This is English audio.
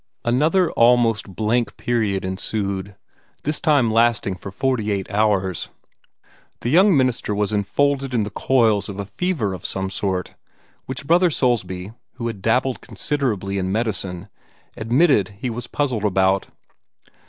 Another almost blank period ensued, this time lasting for forty eight hours. The young minister was enfolded in the coils of a fever of some sort, which Brother Soulsby, who had dabbled considerably in medicine, admitted that he was puzzled about.